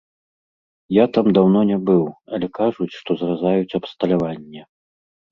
Я там даўно не быў, але кажуць, што зразаюць абсталяванне.